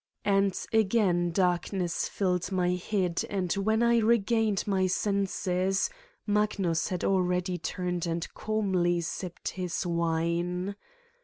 And again darkness filled my head and when I regained my senses Magnus had already turned and calmly sipped his wine.